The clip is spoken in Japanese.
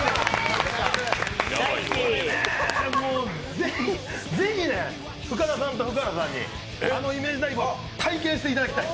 これね、ぜひね、深田さんと福原さんにあのイメージダイブを体験していただきたい。